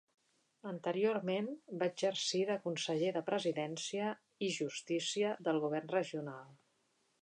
Anteriorment va exercir de conseller de Presidència i Justícia del govern regional.